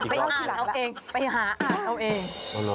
อ่านเอาเองไปหาอ่านเอาเอง